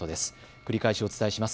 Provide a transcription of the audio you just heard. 繰り返しお伝えします。